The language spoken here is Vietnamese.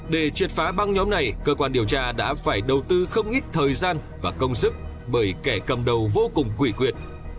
để triệt phá băng nhóm này cơ quan điều tra đã phải đầu tư không ít thời gian và công sức bởi kẻ cầm đầu vô cùng quỷ quyệt